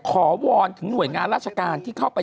วอนถึงหน่วยงานราชการที่เข้าไป